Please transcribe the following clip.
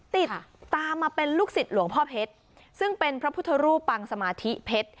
ติดตามมาเป็นลูกศิษย์หลวงพ่อเพชรซึ่งเป็นพระพุทธรูปปังสมาธิเพชร